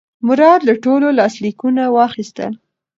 مراد له ټولو لاسلیکونه واخیستل.